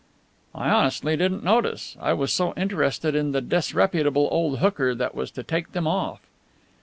"I honestly didn't notice; I was so interested in the disreputable old hooker that was to take them off."